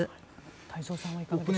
太蔵さんはいかがでしょうか。